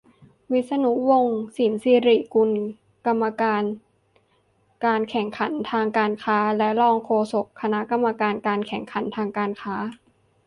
- วิษณุ วงศ์สินศิริกุล กรรมการการแข่งขันทางการค้า และรองโฆษกคณะกรรมการการแข่งขันทางการค้า